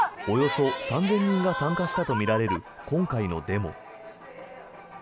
およそ３０００人が参加したとみられる今回のデモ。